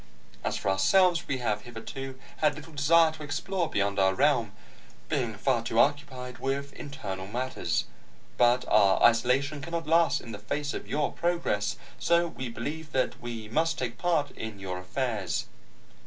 As for ourselves, we have hitherto had little desire to explore beyond our realm, being far too occupied with internal matters. But our isolation cannot last in the face of your progress, so we believe that we must take part in your affairs.